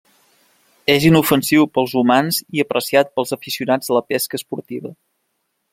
És inofensiu per als humans i apreciat pels afeccionats a la pesca esportiva.